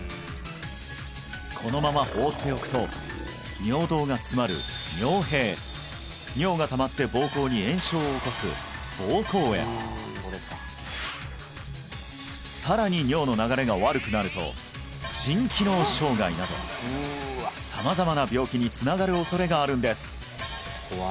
このまま放っておくと尿道が詰まる尿閉尿がたまって膀胱に炎症を起こす膀胱炎さらに尿の流れが悪くなると腎機能障害など様々な病気につながる恐れがあるんです